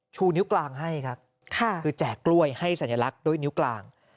ชูนิ้วกลางให้ครับคือแจกกล้วยให้สัญลักษณ์ด้วยนิ้วกลาง